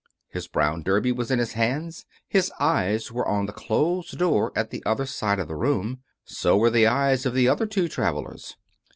His brown derby was in his hands. His eyes were on the closed door at the other side of the room. So were the eyes of the other two travelers.